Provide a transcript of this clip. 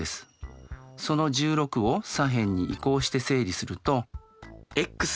その１６を左辺に移項して整理すると。